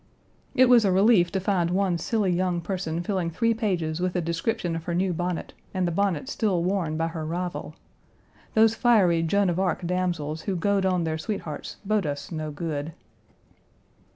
It was a relief to find one silly young person filling three pages with a description of her new bonnet and the bonnet still worn by her rival. Those fiery Joan of Arc damsels who goad on their sweethearts bode us no good.